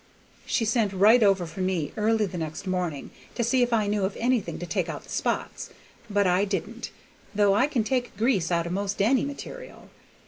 She sent right over for me early the next morning to see if I knew of anything to take out the spots, but I didn't, though I can take grease out o' most any material.